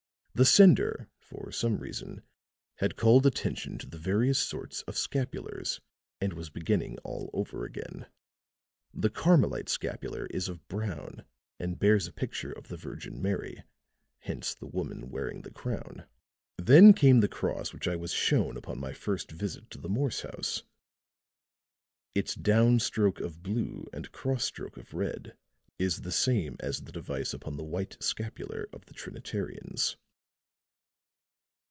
The sender for some reason had called attention to the various sorts of scapulars and was beginning all over again. The Carmelite scapular is of brown and bears a picture of the Virgin Mary hence the woman wearing the crown. Then came the cross which I was shown upon my first visit to the Morse house; its down stroke of blue and cross stroke of red is the same as the device upon the white scapular of the Trinitarians.